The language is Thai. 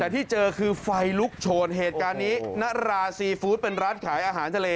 แต่ที่เจอคือไฟลุกโชนเหตุการณ์นี้ณราซีฟู้ดเป็นร้านขายอาหารทะเล